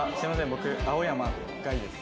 僕「青山凱」です。